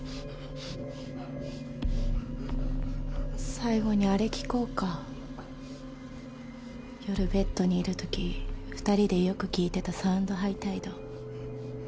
最後にあれ聴こうか夜ベッドにいる時２人でよく聴いてた『サウンドハイタイド』。